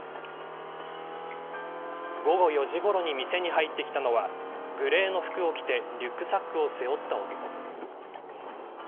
午後４時ごろに店に入ってきたのはグレーの服を着てリュックサックを背負った男。